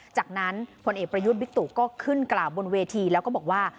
จากนั้นผลเอกประยุทธ์บิ๊กตุก็ขึ้นกล่าวบนเวทีแล้วก็บอกว่า